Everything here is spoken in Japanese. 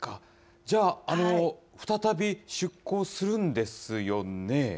じゃあ、再び出港するんですよね？